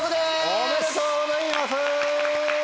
おめでとうございます！